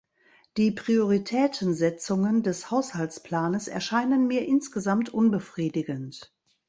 Die Prioritätensetzungen des Haushaltsplanes erscheinen mir insgesamt unbefriedigend.